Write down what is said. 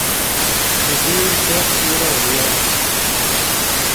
اوزیر ګوپ تیرو ڤیو